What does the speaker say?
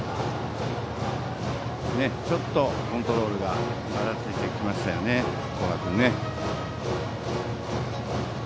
ちょっとコントロールがばらついてきましたね、古賀君。